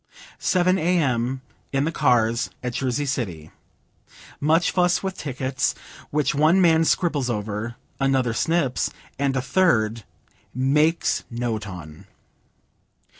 Seven A.M. In the cars, at Jersey City. Much fuss with tickets, which one man scribbles over, another snips, and a third "makes note on."